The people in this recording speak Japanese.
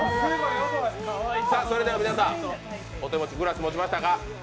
それでは皆さん、グラス持ちましたか？